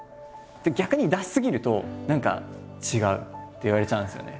逆に出し過ぎると何か違うって言われちゃうんですよね。